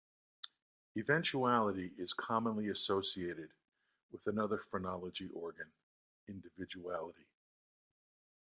Eventuality is commonly associated with another phrenology organ, Individuality.